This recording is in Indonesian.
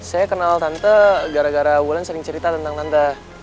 saya kenal tante gara gara wulan sering cerita tentang nanta